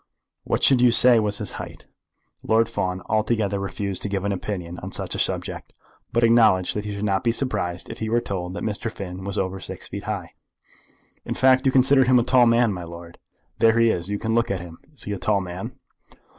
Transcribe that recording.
What should you say was his height?" Lord Fawn altogether refused to give an opinion on such a subject, but acknowledged that he should not be surprised if he were told that Mr. Finn was over six feet high. "In fact you consider him a tall man, my lord? There he is, you can look at him. Is he a tall man?"